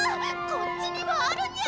こっちにもあるにゃ！